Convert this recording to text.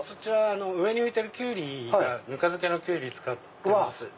上に浮いてるきゅうりがぬか漬けのきゅうり使ってます。